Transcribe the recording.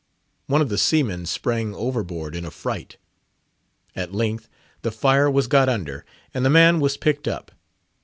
One of the seamen sprang overboard in affright. At length the fire was got under, and the man was picked up.